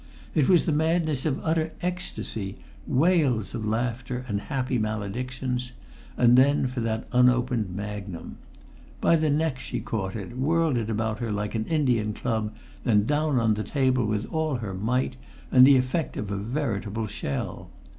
It was the madness of utter ecstasy wails of laughter and happy maledictions and then for that unopened magnum! By the neck she caught it, whirled it about her like an Indian club, then down on the table with all her might and the effect of a veritable shell.